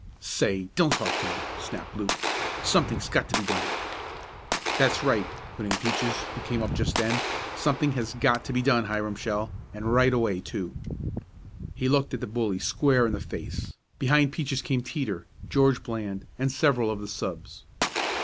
"Say, don't talk to me!" snapped Luke. "Something's got to be done!" "That's right," put in Peaches, who came up just then. "Something has got to be done, Hiram Shell, and right away, too." He looked the bully squarely in the face. Behind Peaches came Teeter, George Bland and several of the subs.